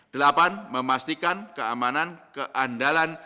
delapan memastikan keamanan keandalan